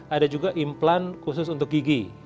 ada juga implan khusus untuk gigi